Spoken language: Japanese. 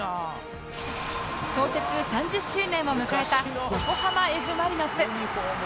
創設３０周年を迎えた横浜 Ｆ ・マリノス